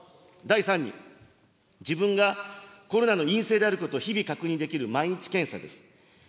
第３に、自分がコロナの陰性であることを日々確認できる毎日検査です。